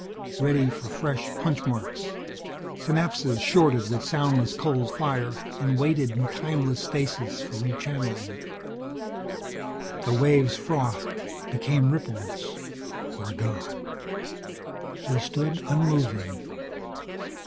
Ready for fresh punch marks. Synapses shorted with soundless cold fire, and waited in timeless stasis for rechannelling. The waves frothed, became ripples, were gone. He stood unmoving.